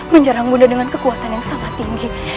menjarang ibu nia dengan kekuatan yang sangat tinggi